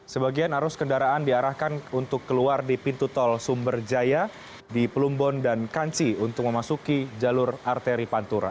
sebagian arus kendaraan diarahkan untuk keluar di pintu tol sumberjaya di plumbon dan kanci untuk memasuki jalur arteri pantura